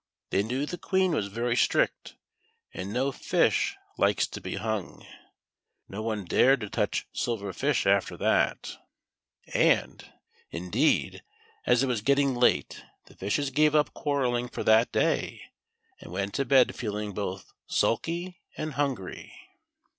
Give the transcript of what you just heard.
The\' knew the Queen was very strict, and no fish likes to be hung. No one dared to touch Silver Fish after that ; and, in 36 THE SILVER FISH. deed, as it was getting late the fishes gave up quar relling for that day, and went to bed feeling both sulky and hungry.